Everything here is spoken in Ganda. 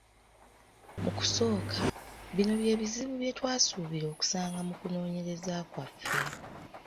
"Mu kusooka, bino bye bizibu bye twasuubira okusanga mu kunoonyereza kwaffe."